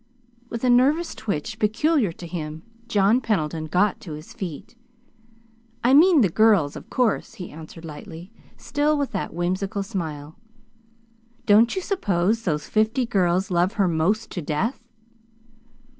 With a nervous twitch peculiar to him, John Pendleton got to his feet. "I mean the girls, of course," he answered lightly, still with that whimsical smile. "Don't you suppose those fifty girls love her 'most to death?"